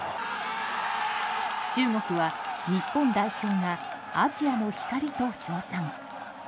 中国は日本代表がアジアの光と称賛。